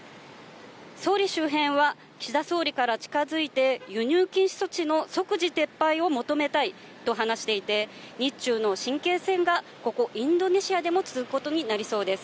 総理周辺は岸田総理から近づいて、輸入禁止措置の即時撤廃を求めたいと話していて、日中の神経戦がここインドネシアで持つことになりそうです。